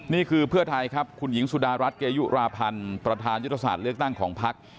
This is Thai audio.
นี่คือเพื่อไทยครับคุณหญิงสุดารัฐเกยุราพันธ์ประธานยุทธศาสตร์เลือกตั้งของพัก